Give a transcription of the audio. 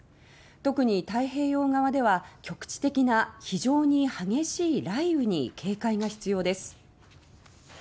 特に太平洋側では局地的な非常に激しい雷雨に警戒が必要です。